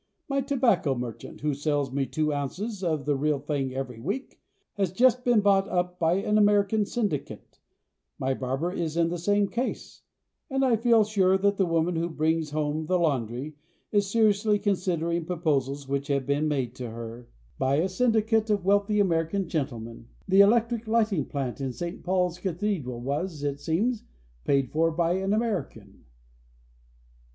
My tobacco merchant, Who sells me two ounces of the real thing every week, Has just been bought up by an American syndicate; My barber is in the same case; And I feel sure That the woman who brings home "the laundry" Is seriously considering proposals which have been made to her By a syndicate of wealthy American gentlemen. The electric lighting plant in St. Paul's Cathedral Was, it seems, paid for by an American.